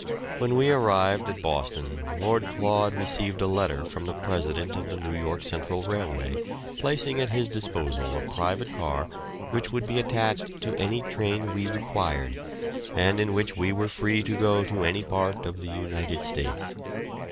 When we arrived at Boston Lord Claud received a letter from the president of the New York Central Railway placing at his disposal a private car which would be attached to any train we required, and in which we were free to go to any part of the United States.